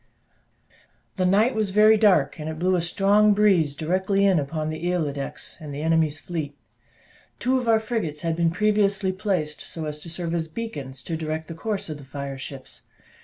The night was very dark, and it blew a strong breeze directly in upon the Isle d'Aix, and the enemy's fleet. Two of our frigates had been previously so placed as to serve as beacons to direct the course of the fire ships.